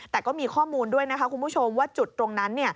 แต่ก็มีข้อมูลด้วยนะคะคุณผู้ชมว่าจุดตรงนั้น